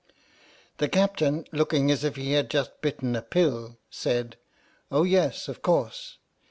The Captain, looking as if he had just bitten a pill, said "Oh yes, of course.